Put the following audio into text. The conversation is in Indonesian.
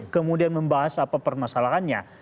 kemudian membahas apa permasalahannya